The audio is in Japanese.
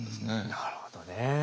なるほどね。